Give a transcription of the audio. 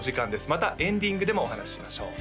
またエンディングでもお話ししましょう